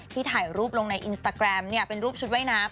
ถ่ายรูปลงในอินสตาแกรมเป็นรูปชุดว่ายน้ำ